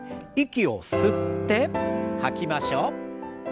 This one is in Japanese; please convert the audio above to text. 息を吸って吐きましょう。